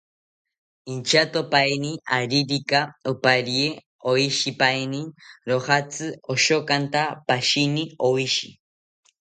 Inchatopaeni aririka oparye oshipaeni, rojatzi oshokanta pashini oshi